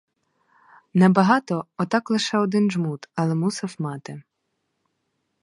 Не багато, отак лише один жмут, але мусив мати.